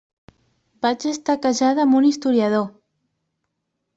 Vaig estar casada amb un historiador.